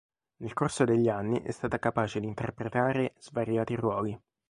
Nel corso degli anni è stata capace di interpretare svariati ruoli.